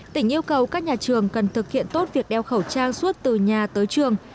tỉnh yêu cầu các nhà trường cần thực hiện tốt việc đeo khẩu trang suốt từ nhà tới trường